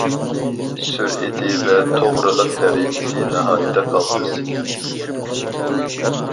سۈرئىتى ۋە توغرىلىق دەرىجىسى ناھايىتى قالتىس.